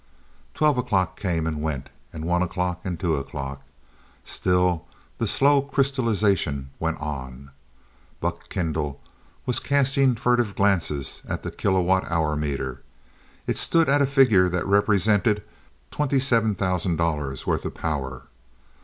Twelve o'clock came and went, and one o'clock and two o'clock. Still the slow crystallization went on. Buck Kendall was casting furtive glances at the kilowatt hour meter. It stood at a figure that represented twenty seven thousand dollars' worth of power.